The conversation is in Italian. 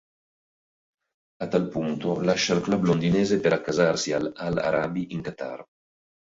A tal punto lascia il club londinese per accasarsi all'Al-Arabi in Qatar.